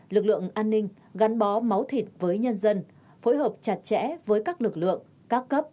lực lượng an ninh gắn bó máu thịt với nhân dân phối hợp chặt chẽ với các lực lượng các cấp